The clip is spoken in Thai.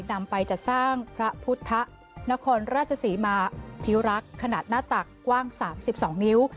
นำไปจัดสร้างพระพุทธนครราชศรีมาพิรักษ์ขนาดหน้าตักกว้าง๓๒นิ้ว